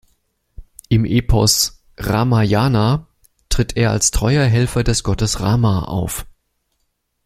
Im Epos "Ramayana" tritt er als treuer Helfer des Gottes Rama auf.